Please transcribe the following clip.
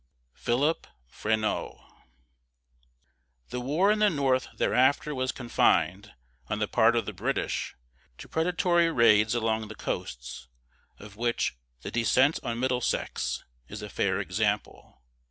PHILIP FRENEAU. The war in the North thereafter was confined, on the part of the British, to predatory raids along the coasts, of which "The Descent on Middlesex" is a fair example.